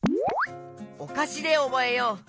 「おかし」でおぼえよう。